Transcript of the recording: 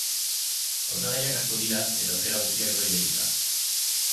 Hautagaiak asko dira eta aukera guztiak daude irekita.